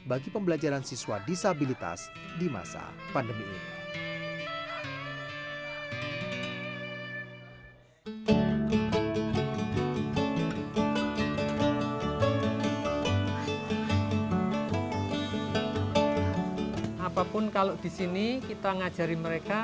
bagi pembelajaran siswa disabilitas di masa pandemi ini